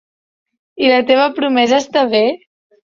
I la teva promesa, està bé?